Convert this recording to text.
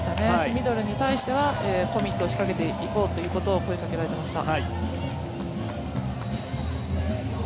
ミドルに対してはコミットを仕掛けていこうという声をかけられていました。